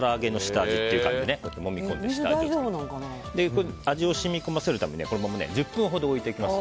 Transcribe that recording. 味を染み込ませるためにこのまま１０分ほど置いていきます。